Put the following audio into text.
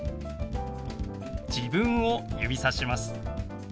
自分を指さします。